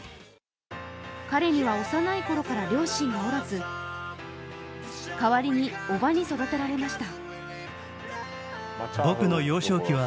彼には幼いころから両親がおらず、代わりに叔母に育てられました。